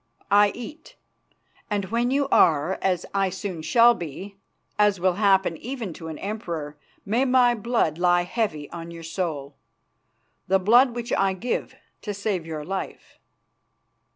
I eat, and when you are as I soon shall be, as will happen even to an emperor, may my blood lie heavy on your soul, the blood which I give to save your life."